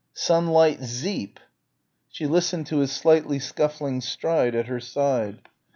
Sunlight Zeep!" She listened to his slightly scuffling stride at her side.